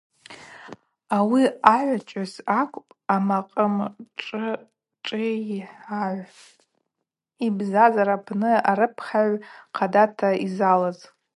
Ауи агӏвычӏвгӏвыс йакӏвпӏ амакъымршӏыйагӏв йбзазара апны арыпхьагӏв хъадата йзалыз.